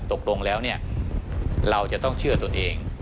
ตกลงแล้วเราจะต้องเชื่อตนเอง